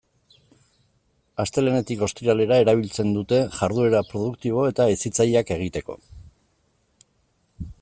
Astelehenetik ostiralera erabiltzen dute, jarduera produktibo eta hezitzaileak egiteko.